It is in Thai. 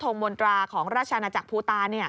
มนตราของราชนาจักรภูตา